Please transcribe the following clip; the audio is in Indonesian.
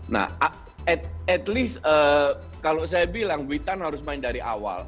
nah at least kalau saya bilang witan harus main dari awal